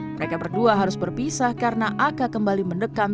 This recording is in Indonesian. mereka berdua harus berpisah karena aka kembali mendekam